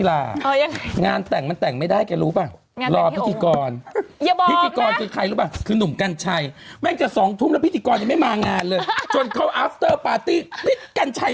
มันผ่านมาขนาดนี้แล้วครึ่งหนึ่งของชีวิตน่ะ